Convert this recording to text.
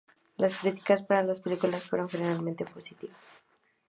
Las críticas para la película fueron generalmente positivas.